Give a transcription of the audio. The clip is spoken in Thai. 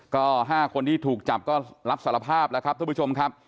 ก็๕คนที่ถูกจับก็รับสารภาพแล้วครับท่านผู้ชมครับ